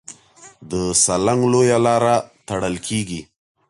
د سالنګ لویه لاره تړل کېږي.